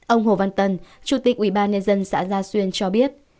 ông hồ văn tân chủ tịch ubnd xã gia xuyên cho biết